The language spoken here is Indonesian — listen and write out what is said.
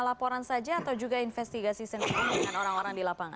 laporan saja atau juga investigasi sendiri dengan orang orang di lapangan